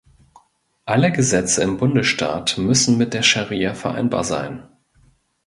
Alle Gesetze im Bundesstaat müssen mit der Scharia vereinbar sein.